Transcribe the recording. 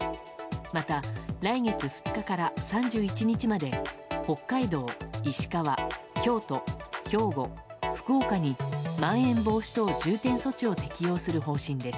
また来月２日から３１日まで北海道、石川、京都、兵庫福岡に、まん延防止等重点措置を適用する方針です。